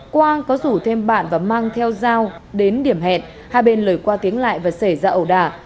quang có rủ thêm bạn và mang theo dao đến điểm hẹn hai bên lời qua tiếng lại và xảy ra ẩu đả